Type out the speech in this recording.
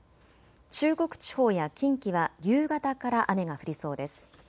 中国地方や近畿は夕方から雨が降りそうです。